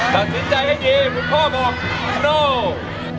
ตัดสินใจให้เจมส์คุณพ่อบอกไม่มั่นใจ